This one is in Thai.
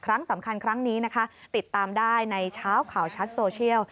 ครั้งสำคัญครั้งนี้นะคะติดตามได้ในเช้าข่าวชัดโซเชียล